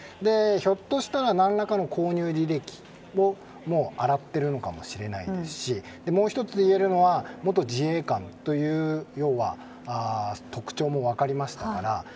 ひょっとして何らかの購入履歴も洗っているのかもしれないですしもう１ついえるのは元自衛官という特徴も分かりましたから。